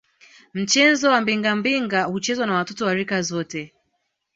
Mchezo wa Mbingambinga huchezwa na watoto wa rika zote